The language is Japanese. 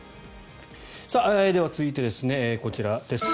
では続いてです、こちらです。